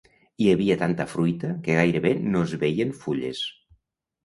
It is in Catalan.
Hi havia tanta fruita que gairebé no es veien fulles.